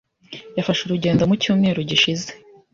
Yafashe urugendo mu cyumweru gishize.